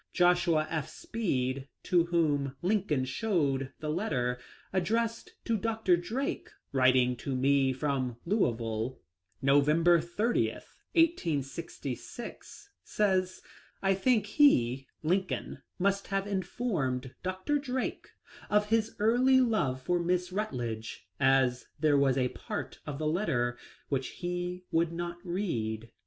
Joshua F. Speed, to whom Lincoln showed the letter addressed to Dr. Drake, writing to me from Louisville, Novem ber 30, 1866, says :" I think he (Lincoln) must have informed Dr. Drake of his early love for Miss Rutledge, as there was a part of the letter which he would not read."